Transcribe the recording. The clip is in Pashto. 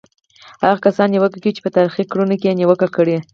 هغه کسان نیوکه کوي چې په تاریخي کړنو کې یې نیوکه کړې.